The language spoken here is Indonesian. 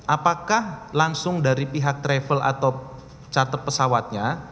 apakah langsung dari pihak travel atau charter pesawatnya